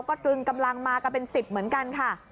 ก็ตรึงกำลังมากันเป็น๑๐เหมือนกันค่ะ